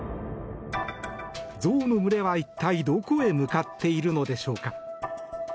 ゾウの群れは、一体どこへ向かっているのでしょうか。